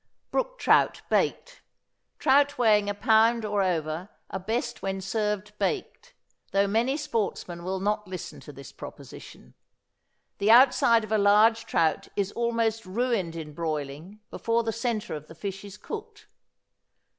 =Brook Trout, Baked.= Trout weighing a pound or over are best when served baked, though many sportsmen will not listen to this proposition. The outside of a large trout is almost ruined in broiling before the centre of the fish is cooked.